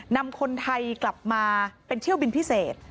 นำคนไทยกลับมาเป็นเที่ยวบินพิเศษ